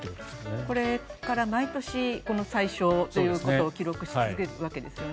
これから毎年この最少ということを記録し続けるわけですよね。